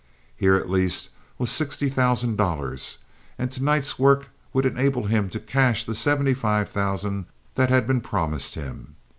Here, at least, was sixty thousand dollars, and to night's work would enable him to cash the seventy five thousand that had been promised him.